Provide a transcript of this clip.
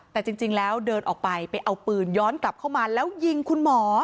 แต่จริงแล้วเดินออกไปไปเอาปืนย้อนกลับเข้ามาแล้วยิงคุณหมอ